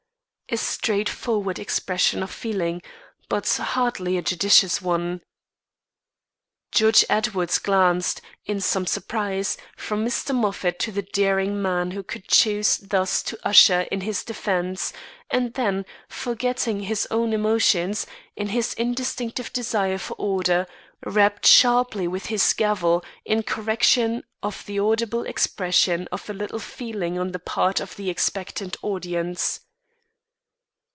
A straightforward expression of feeling, but hardly a judicious one. Judge Edwards glanced, in some surprise, from Mr. Moffat to the daring man who could choose thus to usher in his defence; and then, forgetting his own emotions, in his instinctive desire for order, rapped sharply with his gavel in correction of the audible expression of a like feeling on the part of the expectant audience.